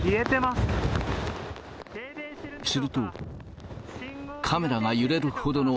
すると。